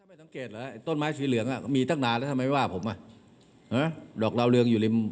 ถ้าไม่สังเกตแล้วต้นไม้สีเหลืองมีตั้งนานแล้วทำไมไม่ว่าผม